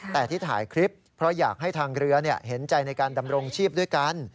แต่ที่ถ่ายคลิปเพราะอยากให้ทางเรือเห็นใจในการดำรงชีพด้วยกัน